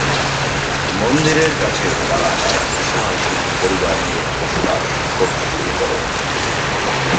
মন্দিরের কাছে তারা এক বিশাল সুখী পরিবার নিয়ে বসবাস করতে শুরু করে।